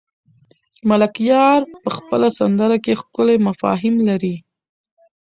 ملکیار په خپله سندره کې ښکلي مفاهیم لري.